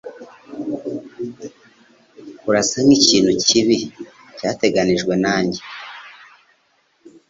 Urasa nkikintu kibi, cyateganijwe nanjye